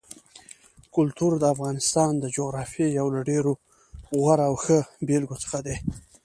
کلتور د افغانستان د جغرافیې یو له ډېرو غوره او ښو بېلګو څخه دی.